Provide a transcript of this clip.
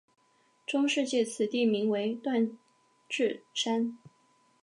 中世纪此地名为锻冶山。